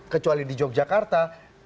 kecuali di yogyakarta